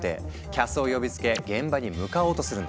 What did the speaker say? キャスを呼びつけ現場に向かおうとするんだ。